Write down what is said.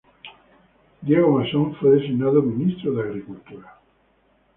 Diego Mason fue designado Ministro de Agricultura.